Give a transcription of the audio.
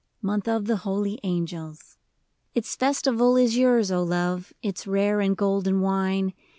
Month of the Holy Angels ! III. Its Festival is yours, O love ! Its rare and golden wine.